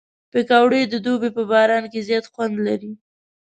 پکورې د دوبي په باران کې زیات خوند لري